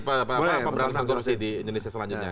pembelian konsumsi di indonesia selanjutnya